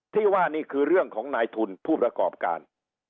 ที่ว่านี่คือเรื่องของนายทุนผู้ประกอบการ